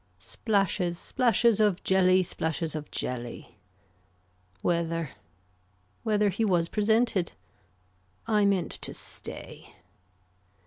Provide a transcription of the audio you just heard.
Splashes splashes of jelly splashes of jelly. Weather. Whether he was presented. I meant to stay.